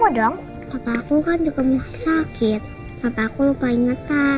itu penyakit apa ya